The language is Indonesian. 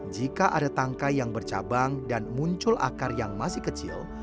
jika ada tangkai yang bercabang dan muncul akar yang masih kecil